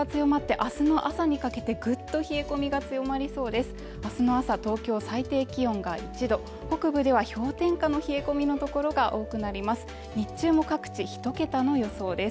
明日の朝、東京最低気温が１度北部では氷点下の冷え込みの所が多くなります